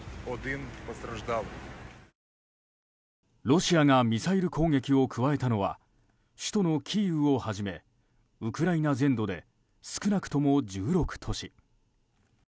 ロシアがミサイル攻撃を加えたのは首都のキーウをはじめウクライナ全土で少なくとも１６都市。